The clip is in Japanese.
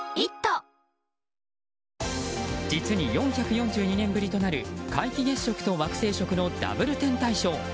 実に４４２年ぶりとなる皆既月食と惑星食のダブル天体ショー。